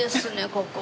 ここ。